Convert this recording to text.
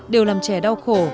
điều làm trẻ đau khổ